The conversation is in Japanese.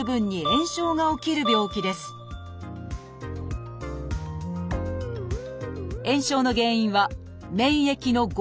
炎症の原因は免疫の誤作動。